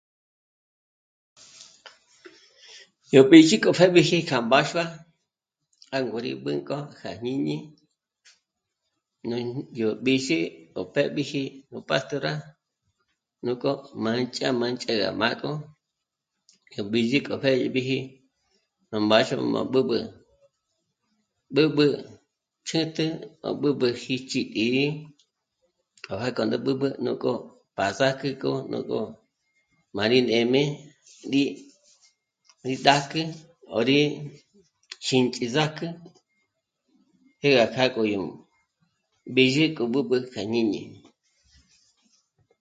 Yó b'ízhi k'o mbépjiji kja mbáxua jângo rí b'ǘnk'o kja jñíni ñân... yó b'ízhi gó péb'iji nú pastora nújkò mândzha mândzha mà'k'o yó b'ízhi k'o mbépjiji rá mbáxua má b'ǚb'ü. B'ǚb'ü ch'ä́'tjä à b'ǚb'ü jíchi y rí k'a jângo rá b'ǚb'ü nújk'o pa s'âgi kjo nú'gó mâ rí nê'me rí... rí ndákü 'örí xînch'íz´âk'ü jé gá kjâ'a k'o yó b'ízhi k'o b'ǚb'ü kja jñíni